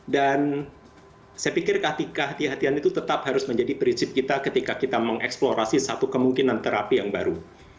saya pikir kehatian hatian itu tetap harus menjadi prinsip kita ketika kita mengeksplorasi satu kemungkinan terapi yang baru